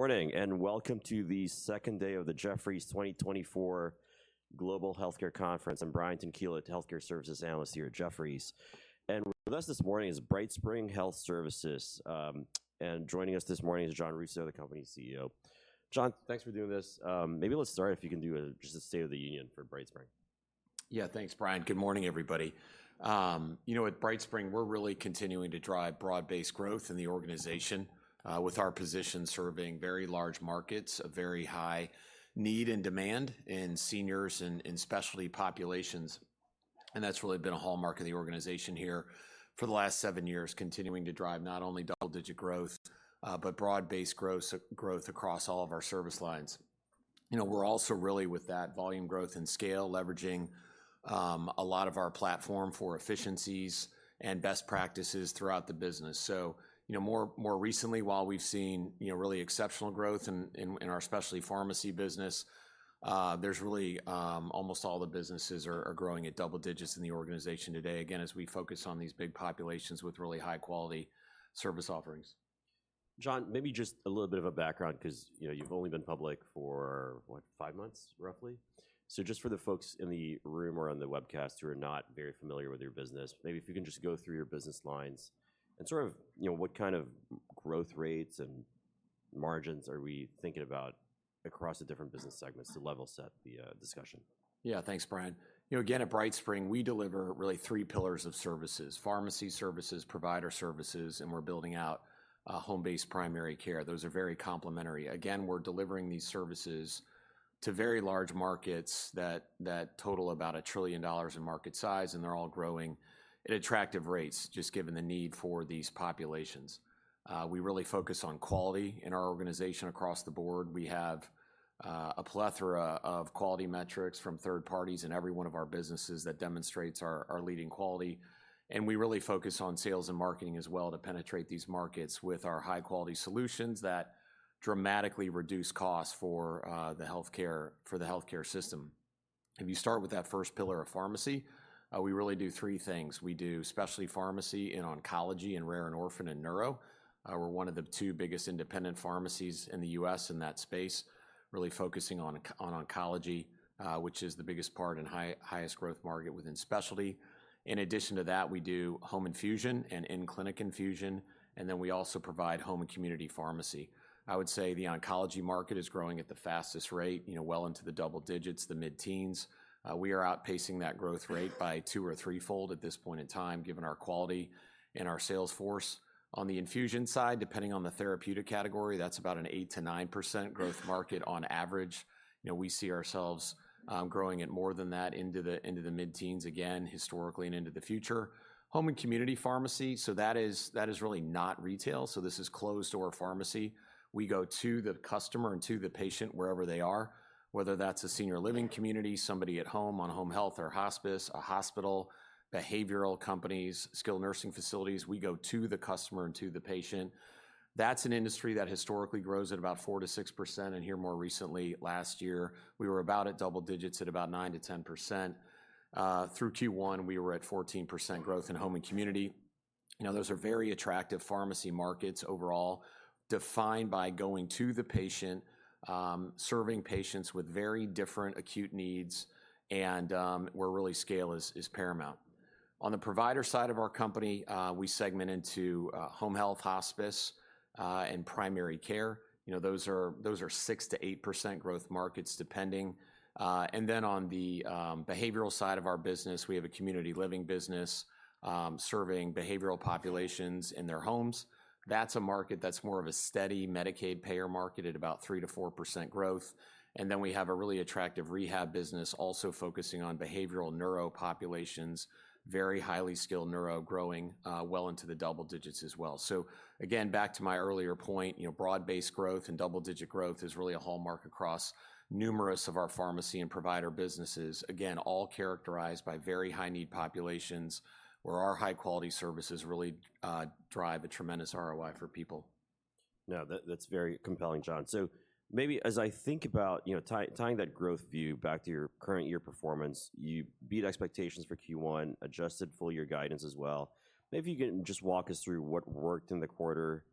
Good morning, and welcome to the second day of the Jefferies 2024 Global Healthcare Conference. I'm Brian Tanquilut, Healthcare Services Analyst here at Jefferies. And with us this morning is BrightSpring Health Services. And joining us this morning is Jon Rousseau, the company's CEO. Jon, thanks for doing this. Maybe let's start if you can do just a State of the Union for BrightSpring. Yeah, thanks, Brian. Good morning, everybody. You know, at BrightSpring, we're really continuing to drive broad-based growth in the organization, with our position serving very large markets, a very high need and demand in seniors and in specialty populations, and that's really been a hallmark of the organization here for the last seven years, continuing to drive not only double-digit growth, but broad-based growth across all of our service lines. You know, we're also really with that volume growth and scale, leveraging, a lot of our platform for efficiencies and best practices throughout the business. So, you know, more recently, while we've seen, you know, really exceptional growth in our Specialty Pharmacy business, there's really almost all the businesses are growing at double digits in the organization today, again, as we focus on these big populations with really high-quality service offerings. Jon, maybe just a little bit of a background because, you know, you've only been public for, what, five months, roughly? So just for the folks in the room or on the webcast who are not very familiar with your business, maybe if you can just go through your business lines and sort of, you know, what kind of growth rates and margins are we thinking about across the different business segments to level set the discussion. Yeah. Thanks, Brian. You know, again, at BrightSpring, we deliver really three pillars of services: Pharmacy Services, Provider Services, and we're building out Home-based primary care. Those are very complementary. Again, we're delivering these services to very large markets that total about $1 trillion in market size, and they're all growing at attractive rates, just given the need for these populations. We really focus on quality in our organization across the board. We have a plethora of quality metrics from third parties in every one of our businesses that demonstrates our leading quality, and we really focus on sales and marketing as well to penetrate these markets with our high-quality solutions that dramatically reduce costs for the healthcare system. If you start with that first pillar of pharmacy, we really do three things. We do Specialty Pharmacy in oncology and rare and orphan and neuro. We're one of the two biggest independent pharmacies in the U.S. in that space, really focusing on oncology, which is the biggest part and highest growth market within Specialty. In addition to that, we do home infusion and in-clinic infusion, and then we also provide Home and Community Pharmacy. I would say the oncology market is growing at the fastest rate, you know, well into the double digits, the mid-teens. We are outpacing that growth rate by two or threefold at this point in time, given our quality and our sales force. On the Infusion side, depending on the therapeutic category, that's about an 8% to 9% growth market on average. You know, we see ourselves growing at more than that into the mid-teens again, historically and into the future. Home and Community Pharmacy, so that is, that is really not retail, so this is closed-door pharmacy. We go to the customer and to the patient wherever they are, whether that's a senior living community, somebody at home on home health or hospice, a hospital, behavioral companies, skilled nursing facilities, we go to the customer and to the patient. That's an industry that historically grows at about 4% to 6%, and here, more recently, last year, we were about at double digits, at about 9% to 10%. Through Q1, we were at 14% growth in home and community. You know, those are very attractive pharmacy markets overall, defined by going to the patient, serving patients with very different acute needs, and where really scale is paramount. On the provider side of our company, we segment into home health, hospice, and primary care. You know, those are 6% to 8% growth markets, depending. And then on the behavioral side of our business, we have a community living business serving behavioral populations in their homes. That's a market that's more of a steady Medicaid payer market at about 3% to 4% growth. And then we have a really attractive rehab business, also focusing on behavioral neuro populations, very highly skilled neuro, growing well into the double digits as well. So again, back to my earlier point, you know, broad-based growth and double-digit growth is really a hallmark across numerous of our pharmacy and provider businesses. Again, all characterized by very high-need populations, where our high-quality services really drive a tremendous ROI for people. No, that's very compelling, Jon. So maybe as I think about, you know, tying that growth view back to your current-year performance, you beat expectations for Q1, adjusted full-year guidance as well. Maybe you can just walk us through what worked in the quarter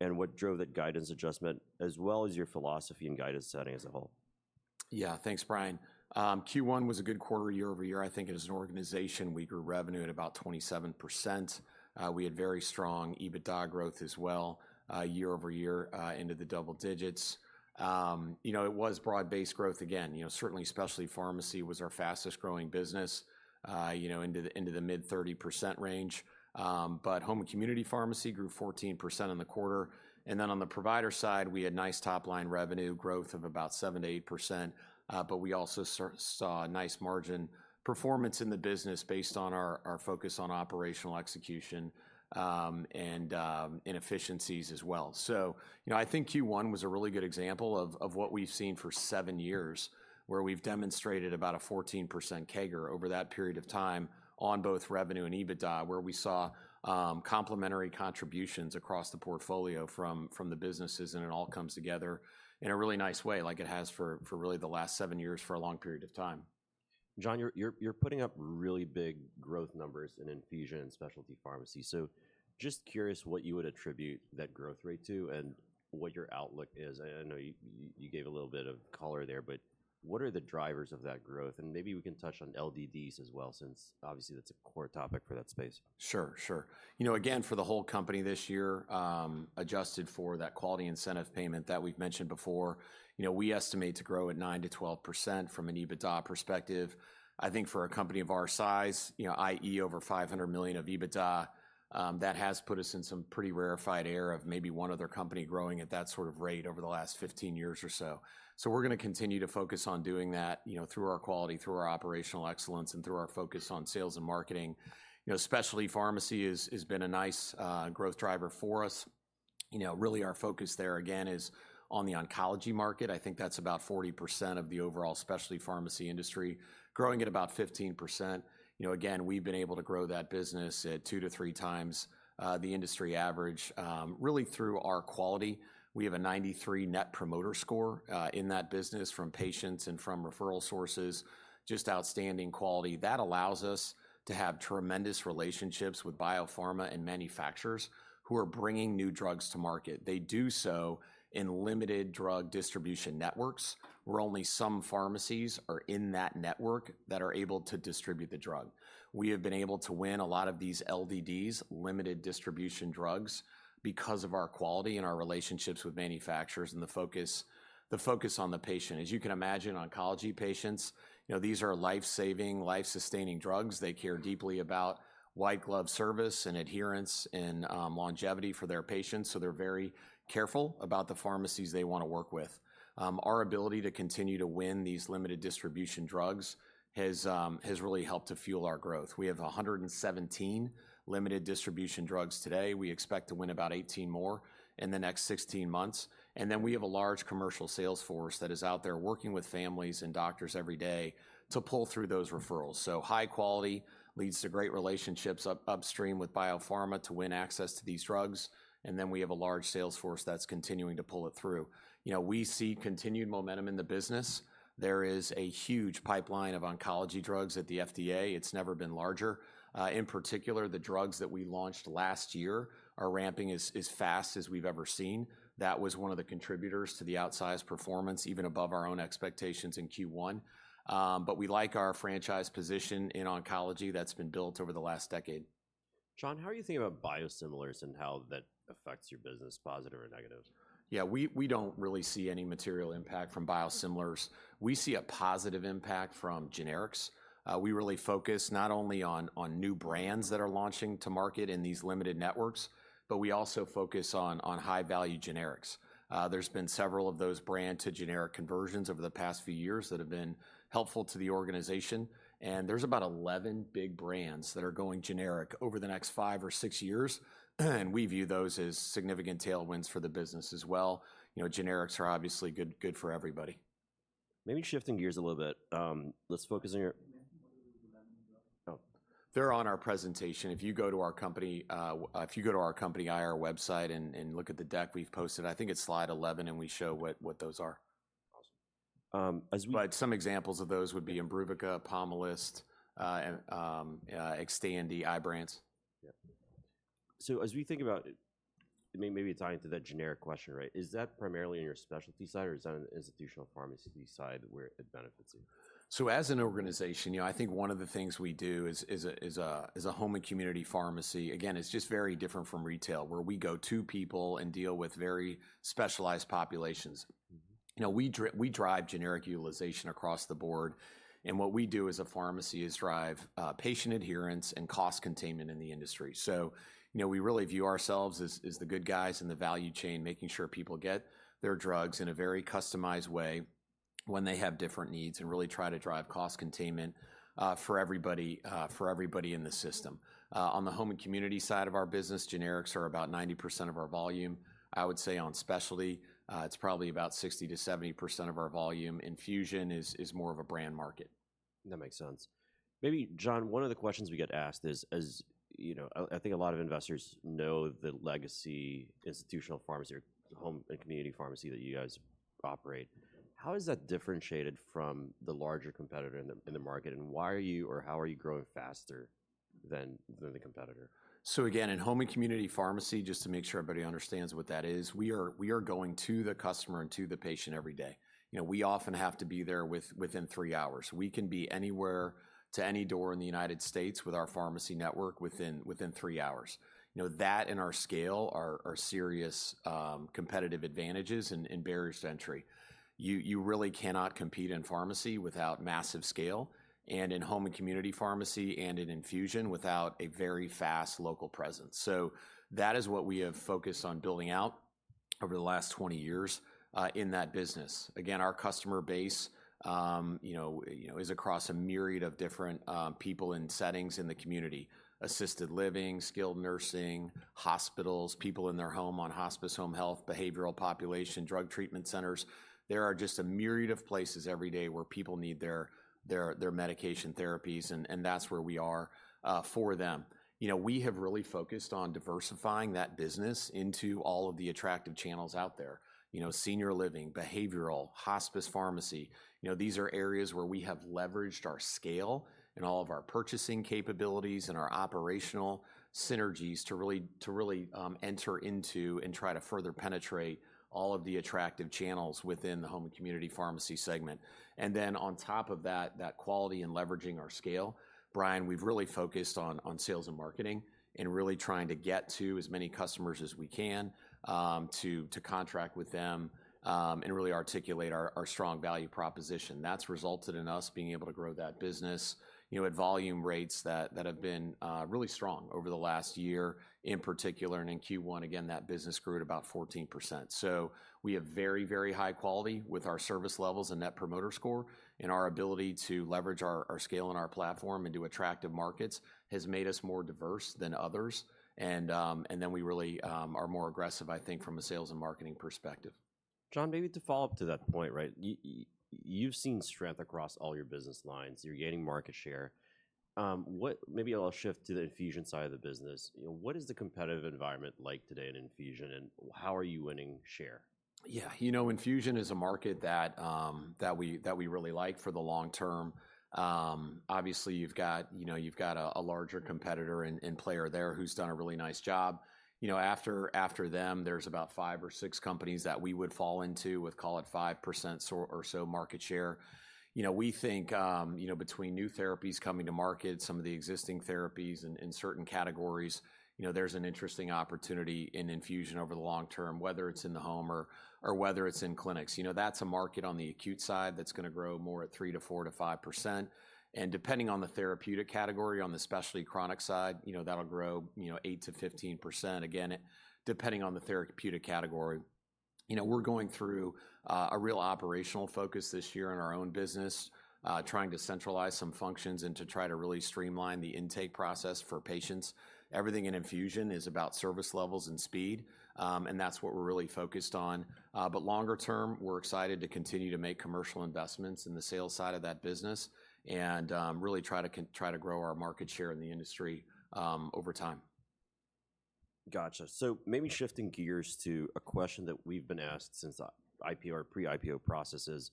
and what drove that guidance adjustment, as well as your philosophy and guidance setting as a whole. Yeah. Thanks, Brian. Q1 was a good quarter year-over-year. I think as an organization, we grew revenue at about 27%. We had very strong EBITDA growth as well, year-over-year, into the double digits. You know, it was broad-based growth again. You know, certainly, Specialty Pharmacy was our fastest-growing business, you know, into the mid-30% range. But Home and Community Pharmacy grew 14% in the quarter, and then on the Provider side, we had nice top-line revenue growth of about 7% to 8%, but we also saw a nice margin performance in the business based on our focus on operational execution, and, and efficiencies as well. So, you know, I think Q1 was a really good example of what we've seen for seven years, where we've demonstrated about a 14% CAGR over that period of time on both revenue and EBITDA, where we saw complementary contributions across the portfolio from the businesses, and it all comes together in a really nice way like it has for really the last seven years, for a long period of time. Jon, you're putting up really big growth numbers in Infusion and Specialty Pharmacy. So just curious what you would attribute that growth rate to and what your outlook is. I know you gave a little bit of color there, but what are the drivers of that growth? And maybe we can touch on LDDs as well, since obviously that's a core topic for that space. Sure, sure. You know, again, for the whole company this year, adjusted for that quality incentive payment that we've mentioned before, you know, we estimate to grow at 9% to 12% from an EBITDA perspective. I think for a company of our size, you know, i.e., over $500 million of EBITDA, that has put us in some pretty rarefied air of maybe one other company growing at that sort of rate over the last 15 years or so. So we're gonna continue to focus on doing that, you know, through our quality, through our operational excellence, and through our focus on sales and marketing. You know, Specialty Pharmacy is, has been a nice, growth driver for us. You know, really our focus there again is on the oncology market. I think that's about 40% of the overall Specialty Pharmacy industry, growing at about 15%. You know, again, we've been able to grow that business at 2x to 3x the industry average, really through our quality. We have a 93 Net Promoter Score in that business from patients and from referral sources, just outstanding quality. That allows us to have tremendous relationships with biopharma and manufacturers who are bringing new drugs to market. They do so in limited drug distribution networks, where only some pharmacies are in that network that are able to distribute the drug. We have been able to win a lot of these LDDs, Limited Distribution Drugs, because of our quality and our relationships with manufacturers, and the focus on the patient. As you can imagine, oncology patients, you know, these are life-saving, life-sustaining drugs. They care deeply about white glove service and adherence and longevity for their patients, so they're very careful about the pharmacies they wanna work with. Our ability to continue to win these limited distribution drugs has really helped to fuel our growth. We have 117 limited distribution drugs today. We expect to win about 18 more in the next 16 months, and then we have a large commercial sales force that is out there working with families and doctors every day to pull through those referrals. So high quality leads to great relationships upstream with biopharma to win access to these drugs, and then we have a large sales force that's continuing to pull it through. You know, we see continued momentum in the business. There is a huge pipeline of oncology drugs at the FDA. It's never been larger. In particular, the drugs that we launched last year are ramping as fast as we've ever seen. That was one of the contributors to the outsized performance, even above our own expectations in Q1. But we like our franchise position in oncology that's been built over the last decade. Jon, how are you thinking about biosimilars and how that affects your business, positive or negative? Yeah, we don't really see any material impact from biosimilars. We see a positive impact from generics. We really focus not only on new brands that are launching to market in these limited networks, but we also focus on high-value generics. There's been several of those brand-to-generic conversions over the past few years that have been helpful to the organization, and there's about 11 big brands that are going generic over the next 5 or 6 years, and we view those as significant tailwinds for the business as well. You know, generics are obviously good for everybody. Maybe shifting gears a little bit, let's focus on your—oh. They're on our presentation. If you go to our company IR website and look at the deck we've posted, I think it's slide 11, and we show what those are. Awesome. But some examples of those would be Imbruvica, Pomalyst, and Xtandi, Ibrance. Yeah. So as we think about maybe tying to that generic question, right? Is that primarily on your specialty side or is that on the institutional pharmacy side where it benefits you? So as an organization, you know, I think one of the things we do as a Home and Community Pharmacy, again, it's just very different from retail, where we go to people and deal with very specialized populations. You know, we drive generic utilization across the board, and what we do as a pharmacy is drive patient adherence and cost containment in the industry. So, you know, we really view ourselves as the good guys in the value chain, making sure people get their drugs in a very customized way when they have different needs and really try to drive cost containment for everybody in the system. On the Home and Community side of our business, generics are about 90% of our volume. I would say on specialty, it's probably about 60% to 70% of our volume. Infusion is more of a brand market. That makes sense. Maybe, Jon, one of the questions we get asked is, as you know, I, I think a lot of investors know the legacy institutional pharmacy or Home and Community Pharmacy that you guys operate. How is that differentiated from the larger competitor in the, in the market, and why are you or how are you growing faster than, than the competitor? So again, in Home and Community Pharmacy, just to make sure everybody understands what that is, we are going to the customer and to the patient every day. You know, we often have to be there within 3 hours. We can be anywhere to any door in the United States with our pharmacy network within 3 hours. You know, that and our scale are serious competitive advantages and barriers to entry. You really cannot compete in pharmacy without massive scale and in Home and Community Pharmacy and in Infusion without a very fast local presence. So that is what we have focused on building out over the last 20 years in that business. Again, our customer base, you know, is across a myriad of different people and settings in the community: assisted living, skilled nursing— Hospitals, people in their home on hospice, home health, behavioral population, drug treatment centers. There are just a myriad of places every day where people need their medication therapies, and that's where we are for them. You know, we have really focused on diversifying that business into all of the attractive channels out there. You know, senior living, behavioral, hospice pharmacy. You know, these are areas where we have leveraged our scale and all of our purchasing capabilities and our operational synergies to really enter into and try to further penetrate all of the attractive channels within the Home and Community Pharmacy segment. And then on top of that, that quality and leveraging our scale, Brian, we've really focused on sales and marketing and really trying to get to as many customers as we can, to contract with them, and really articulate our strong value proposition. That's resulted in us being able to grow that business, you know, at volume rates that have been really strong over the last year in particular. And in Q1, again, that business grew at about 14%. So we have very, very high quality with our service levels and Net Promoter Score, and our ability to leverage our scale and our platform into attractive markets has made us more diverse than others. And then we really are more aggressive, I think, from a sales and marketing perspective. Jon, maybe to follow up to that point, right? You've seen strength across all your business lines. You're gaining market share. Maybe I'll shift to the Infusion side of the business. You know, what is the competitive environment like today in infusion, and how are you winning share? Yeah, you know, infusion is a market that, that we, that we really like for the long term. Obviously, you've got, you know, you've got a, a larger competitor and, and player there who's done a really nice job. You know, after, after them, there's about five or six companies that we would fall into with, call it, 5% or, or so market share. You know, we think, you know, between new therapies coming to market, some of the existing therapies in, in certain categories, you know, there's an interesting opportunity in infusion over the long term, whether it's in the home or, or whether it's in clinics. You know, that's a market on the acute side that's gonna grow more at 3% to 5%, and depending on the therapeutic category, on the specialty chronic side, you know, that'll grow, you know, 8% to 15%, again, depending on the therapeutic category. You know, we're going through a real operational focus this year in our own business, trying to centralize some functions and to try to really streamline the intake process for patients. Everything in infusion is about service levels and speed, and that's what we're really focused on. But longer term, we're excited to continue to make commercial investments in the sales side of that business and, really try to grow our market share in the industry, over time. Gotcha. So maybe shifting gears to a question that we've been asked since the IPO or pre-IPO processes.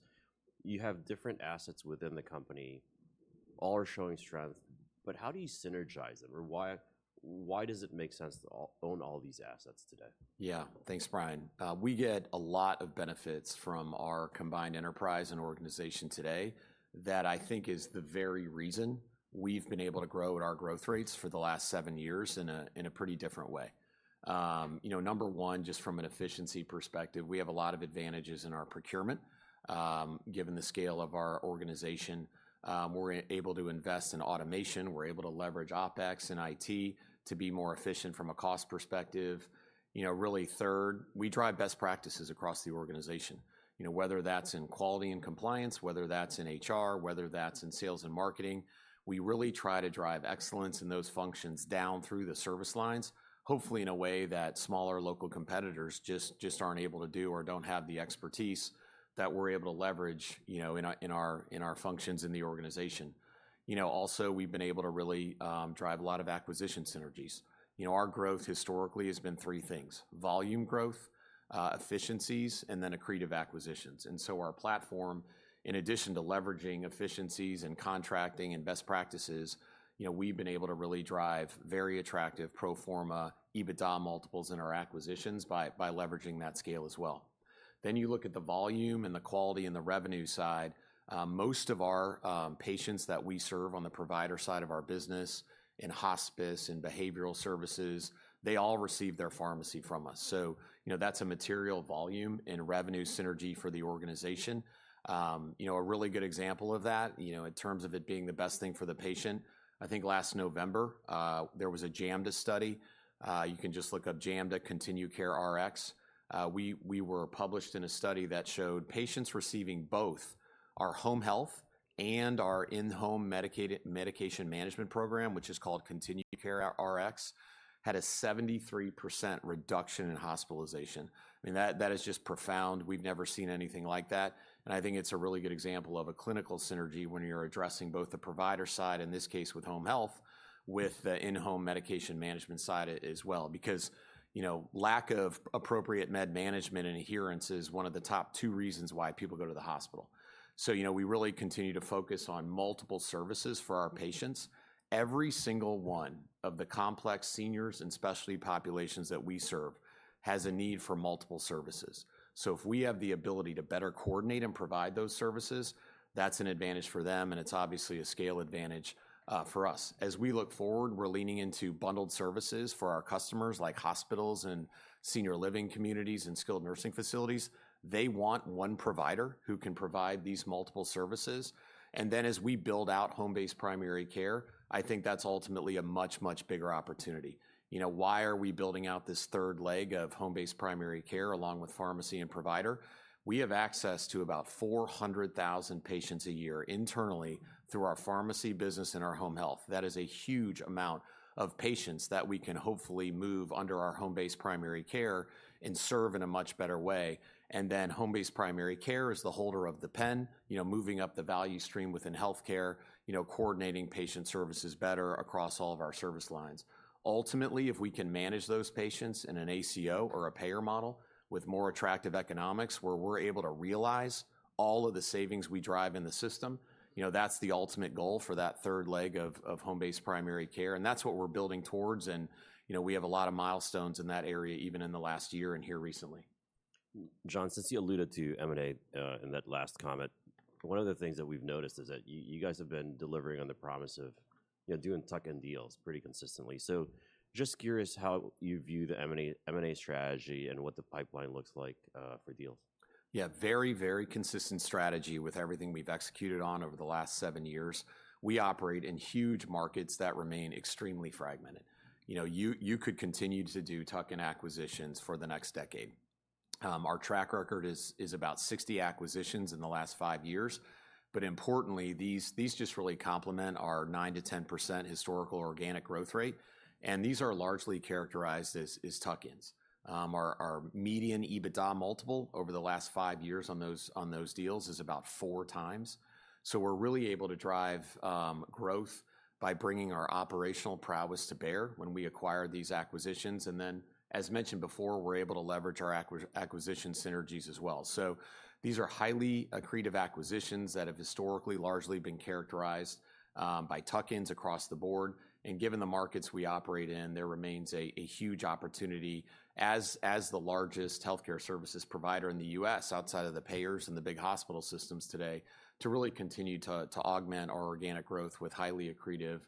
You have different assets within the company, all are showing strength, but how do you synergize them? Or why, why does it make sense to all own all these assets today? Yeah. Thanks, Brian. We get a lot of benefits from our combined enterprise and organization today, that I think is the very reason we've been able to grow at our growth rates for the last seven years in a pretty different way. You know, number one, just from an efficiency perspective, we have a lot of advantages in our procurement. Given the scale of our organization, we're able to invest in automation, we're able to leverage OpEx and IT to be more efficient from a cost perspective. You know, really, third, we drive best practices across the organization. You know, whether that's in quality and compliance, whether that's in HR, whether that's in sales and marketing, we really try to drive excellence in those functions down through the service lines, hopefully in a way that smaller local competitors just aren't able to do or don't have the expertise that we're able to leverage, you know, in our functions in the organization. You know, also, we've been able to really drive a lot of acquisition synergies. You know, our growth historically has been three things: volume growth, efficiencies, and then accretive acquisitions. And so our platform, in addition to leveraging efficiencies and contracting and best practices, you know, we've been able to really drive very attractive pro forma EBITDA multiples in our acquisitions by leveraging that scale as well. Then you look at the volume and the quality and the revenue side, most of our patients that we serve on the provider side of our business, in hospice, in behavioral services, they all receive their pharmacy from us. So, you know, that's a material volume and revenue synergy for the organization. You know, a really good example of that, you know, in terms of it being the best thing for the patient, I think last November, there was a JAMDA study. You can just look up JAMDA Continue CareRx. We were published in a study that showed patients receiving both our home health and our in-home medication management program, which is called Continue CareRx, had a 73% reduction in hospitalization. I mean, that is just profound. We've never seen anything like that, and I think it's a really good example of a clinical synergy when you're addressing both the provider side, in this case with home health, with the in-home medication management side as well. Because, you know, lack of appropriate med management and adherence is one of the top two reasons why people go to the hospital. So, you know, we really continue to focus on multiple services for our patients. Every single one of the complex seniors and specialty populations that we serve has a need for multiple services. So if we have the ability to better coordinate and provide those services, that's an advantage for them, and it's obviously a scale advantage for us. As we look forward, we're leaning into bundled services for our customers, like hospitals and senior living communities and skilled nursing facilities. They want one provider who can provide these multiple services. And then as we build out home-based primary care, I think that's ultimately a much, much bigger opportunity. You know, why are we building out this third leg of home-based primary care along with pharmacy and provider? We have access to about 400,000 patients a year internally through our pharmacy business and our home health. That is a huge amount of patients that we can hopefully move under our home-based primary care and serve in a much better way. And then home-based primary care is the holder of the pen, you know, moving up the value stream within healthcare, you know, coordinating patient services better across all of our service lines. Ultimately, if we can manage those patients in an ACO or a payer model with more attractive economics, where we're able to realize all of the savings we drive in the system, you know, that's the ultimate goal for that third leg of home-based primary care, and that's what we're building towards. And, you know, we have a lot of milestones in that area, even in the last year and here recently. Jon, since you alluded to M&A in that last comment, one of the things that we've noticed is that you guys have been delivering on the promise of, you know, doing tuck-in deals pretty consistently. So just curious how you view the M&A strategy and what the pipeline looks like for deals. Yeah, very, very consistent strategy with everything we've executed on over the last 7 years. We operate in huge markets that remain extremely fragmented. You know, you could continue to do tuck-in acquisitions for the next decade. Our track record is about 60 acquisitions in the last 5 years, but importantly, these just really complement our 9% to 10% historical organic growth rate, and these are largely characterized as tuck-ins. Our median EBITDA multiple over the last 5 years on those deals is about 4x. So we're really able to drive growth by bringing our operational prowess to bear when we acquire these acquisitions, and then, as mentioned before, we're able to leverage our acquisition synergies as well. So these are highly accretive acquisitions that have historically largely been characterized by tuck-ins across the board, and given the markets we operate in, there remains a huge opportunity as the largest healthcare services provider in the U.S., outside of the payers and the big hospital systems today, to really continue to augment our organic growth with highly accretive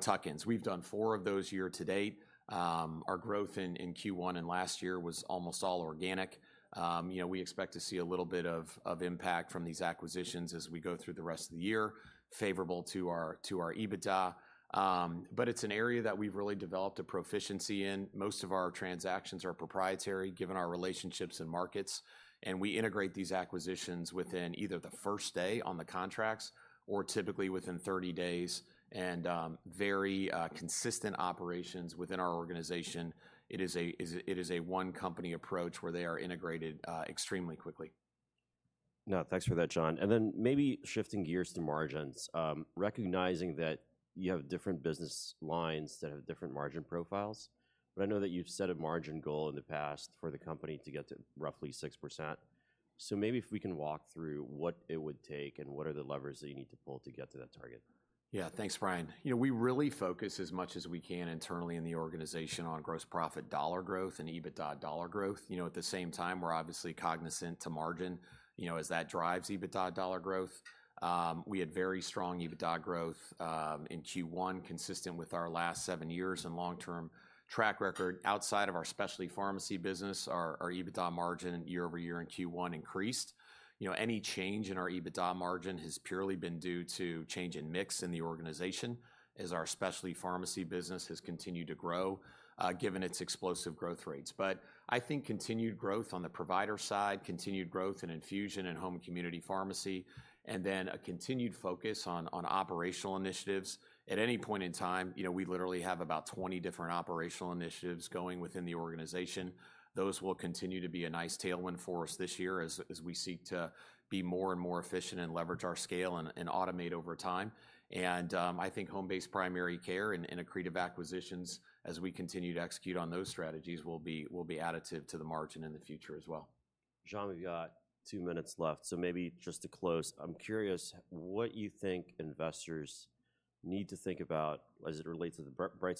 tuck-ins. We've done four of those year-to-date. Our growth in Q1 and last year was almost all organic. You know, we expect to see a little bit of impact from these acquisitions as we go through the rest of the year, favorable to our EBITDA. But it's an area that we've really developed a proficiency in. Most of our transactions are proprietary, given our relationships and markets, and we integrate these acquisitions within either the first day on the contracts or typically within 30 days and very consistent operations within our organization. It is a one company approach, where they are integrated extremely quickly. Now, thanks for that, Jon. Then maybe shifting gears to margins, recognizing that you have different business lines that have different margin profiles, but I know that you've set a margin goal in the past for the company to get to roughly 6%. So maybe if we can walk through what it would take and what are the levers that you need to pull to get to that target? Yeah, thanks, Brian. You know, we really focus as much as we can internally in the organization on gross profit dollar growth and EBITDA dollar growth. You know, at the same time, we're obviously cognizant to margin, you know, as that drives EBITDA dollar growth. We had very strong EBITDA growth in Q1, consistent with our last seven years and long-term track record. Outside of our Specialty Pharmacy business, our EBITDA margin year-over-year in Q1 increased. You know, any change in our EBITDA margin has purely been due to change in mix in the organization as our Specialty Pharmacy business has continued to grow, given its explosive growth rates. But I think continued growth on the Provider side, continued growth in Infusion and Home and Community Pharmacy, and then a continued focus on operational initiatives. At any point in time, you know, we literally have about 20 different operational initiatives going within the organization. Those will continue to be a nice tailwind for us this year as we seek to be more and more efficient and leverage our scale and automate over time. I think home-based primary care and accretive acquisitions, as we continue to execute on those strategies, will be additive to the margin in the future as well. John, we've got two minutes left, so maybe just to close, I'm curious what you think investors need to think about as it relates to the BrightSpring.